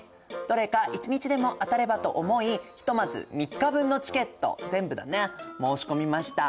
どれか一日でも当たればと思いひとまず３日分のチケット全部だね申し込みました。